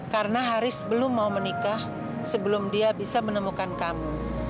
karena haris belum mau menikah sebelum dia bisa menemukan kamu